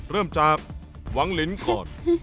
เริ่มจากหวังลิ้นก่อน